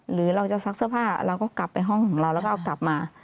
หรือเราจะซักเสื้อผ้าเราก็กลับไปห้องของเราแล้วก็เอากลับมา